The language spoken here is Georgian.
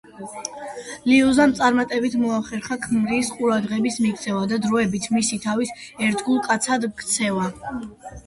ლუიზამ წარმატებით მოახერხა ქმრის ყურადღების მიქცევა და დროებით მისი თავის ერთგულ კაცად ქცევა.